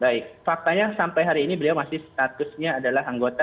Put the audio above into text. baik faktanya sampai hari ini beliau masih statusnya adalah anggota